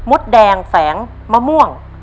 ตัวเลือกที่๓มดแดงแสงมะม่วง